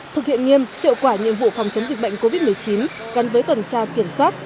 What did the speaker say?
thực hiện nghiêm hiệu quả nhiệm vụ phòng chống dịch bệnh covid một mươi chín gắn với tuần tra kiểm soát